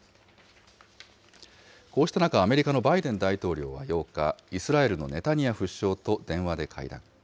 こうした中、アメリカのバイデン大統領は８日、イスラエルのネタニヤフ首相と電話で会談。